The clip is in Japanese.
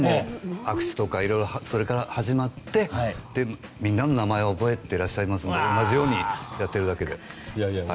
握手とかから始まってみんなの名前を覚えていらっしゃいますので同じようにやっているだけです。